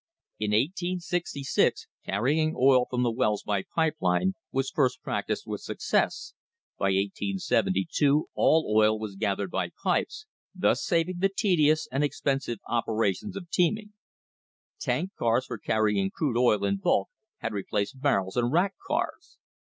In 1866 carrying oil from the wells by pipe lines was first practised with success, by 1872 all oil was gath ered by pipes, thus saving the tedious and expensive opera tions of teaming. Tank cars for carrying crude oil in bulk had replaced barrels and rack cars.